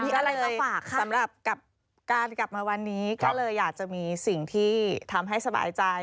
ก็เลยสำหรับการกลับมาวันนี้ก็เลยอยากจะมีสิ่งที่ทำให้สบายใจ